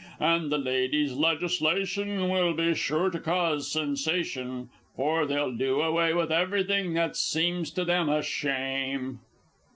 And the Ladies' legislation will be sure to cause sensation, For they'll do away with everything that seems to them a shame!